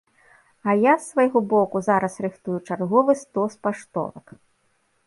А я з свайго боку зараз рыхтую чарговы стос паштовак.